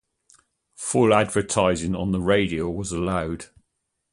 Full advertising on the radio was allowed.